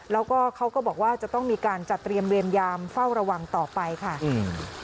แล้วก็เขาก็บอกว่าจะต้องมีการจัดเตรียมเวรยามเฝ้าระวังต่อไปค่ะอืม